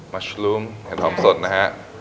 มันหอมสดนะฮะ